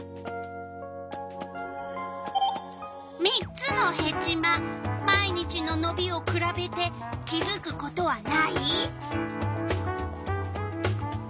３つのヘチマ毎日ののびをくらべて気づくことはない？